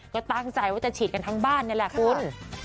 ก็ตั้งใจว่าจะฉีดกันทั้งบ้านนี่แหละคุณ